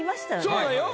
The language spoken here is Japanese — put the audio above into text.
そうだよ。